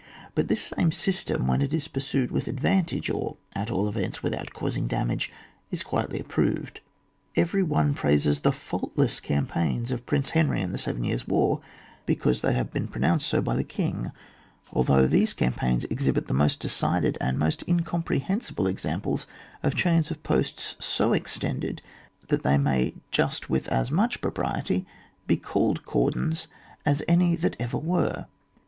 But this same system, when it is pursued with advantage, or, at all events, without causing damage, is quietly approved. Every one praises the faultless campaigns of Prince Henry in the Seven Years' War, because they have been pronounced so by the king, although these campaigns exhibit the most decided and most incomprehensible examples of chains of posts so extended that they may just with as much propriety be called cordons as any that ever were.